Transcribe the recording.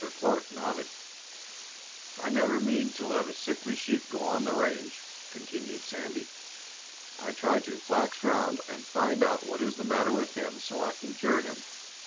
Clark nodded. "I never mean to let a sickly sheep go on the range," continued Sandy. "I try to flax round and find out what is the matter with him so I can cure him.